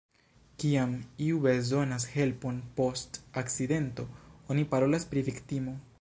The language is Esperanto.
Kiam iu bezonas helpon post akcidento, oni parolas pri viktimo.